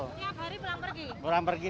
tiap hari pulang pergi